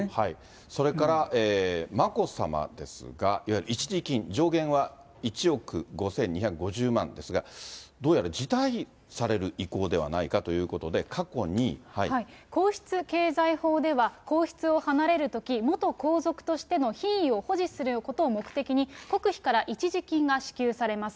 それから眞子さまですが、いわゆる一時金、上限は１億５２５０万ですが、どうやら辞退される意向ではないか皇室経済法では、皇室を離れるとき、元皇族としての品位を保持することを目的に、国費から一時金が支給されます。